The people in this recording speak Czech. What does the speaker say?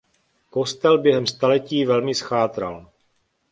Kostel během staletí velmi zchátral.